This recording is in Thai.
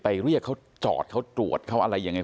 เรียกเขาจอดเขาตรวจเขาอะไรยังไง